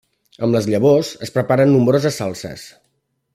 Amb les llavors es preparen nombroses salses.